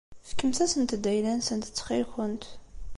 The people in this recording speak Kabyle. Fkemt-asent-d ayla-nsent ttxil-kent.